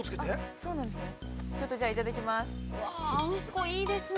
◆そうなんですね。